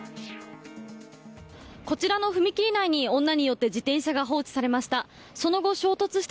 こちらの踏切内に、女によって自転車が放置されました。